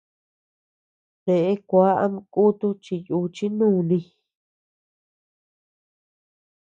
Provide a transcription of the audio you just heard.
Neʼe kua ama kutu chi yuchi núni.